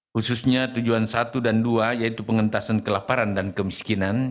khususnya tujuan satu dan dua yaitu pengentasan kelaparan dan kemiskinan